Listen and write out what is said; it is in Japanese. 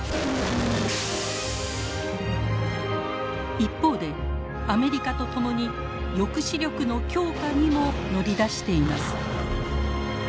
一方でアメリカと共に抑止力の強化にも乗り出しています。